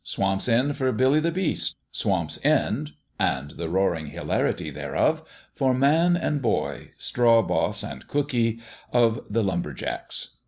Swamp's End for Billy the Beast ! Swamp's End and the roaring hilarity thereof for man and boy, straw boss and cookee, of the lumber jacks